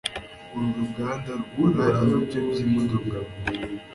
uru ruganda rukora ibice byimodoka